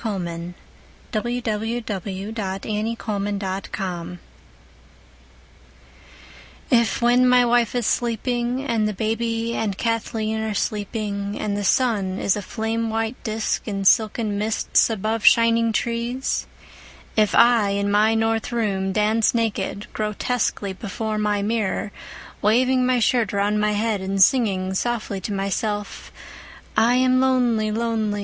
William Carlos Williams Danse Russe IF when my wife is sleeping and the baby and Kathleen are sleeping and the sun is a flame white disc in silken mists above shining trees, if I in my north room dance naked, grotesquely before my mirror waving my shirt round my head and singing softly to myself: "I am lonely, lonely.